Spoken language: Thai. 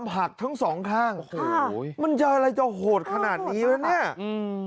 หักทั้งสองข้างโอ้โหมันจะอะไรจะโหดขนาดนี้แล้วเนี่ยอืม